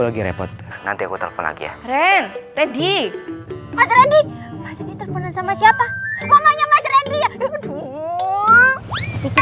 lagi repot nanti aku telepon lagi ya ren tadi mas kaikki teleponan sama siapa ngomongnya m r aduh